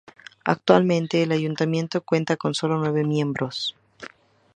Actualmente, el Ayuntamiento cuenta con sólo nueve miembros.